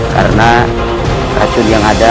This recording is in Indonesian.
karena racun yang ada